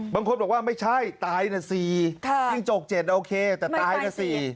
บางคนบอกว่าไม่ใช่ตายนะ๔จิ้งจก๗โอเคแต่ตายนะ๔